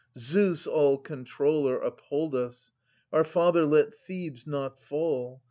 Zeus, All controller, uphold us ! Our Father, let Thebes not fall